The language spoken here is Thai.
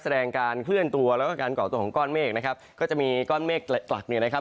การเคลื่อนตัวแล้วก็การก่อตัวของก้อนเมฆนะครับก็จะมีก้อนเมฆหลักเนี่ยนะครับ